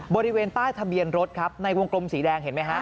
บริเวณใต้ทะเบียนรถครับในวงกลมสีแดงเห็นไหมฮะ